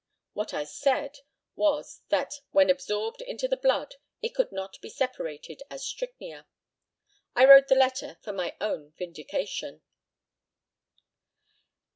What I said was, that when absorbed into the blood it could not be separated as strychnia. I wrote the letter for my own vindication.